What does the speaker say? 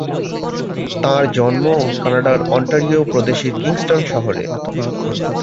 তাঁর জন্ম কানাডার অন্টারিও প্রদেশের কিংস্টন শহরে।